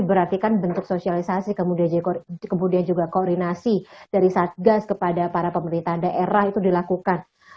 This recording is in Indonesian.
berarti kan bentuk sosialisasi kemudian juga koordinasi dari satgas kepada para pemerintahan daerah itu dilakukan